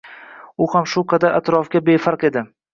u ham shu qadar atrofga befark edi.